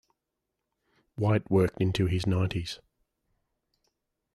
White worked into his nineties.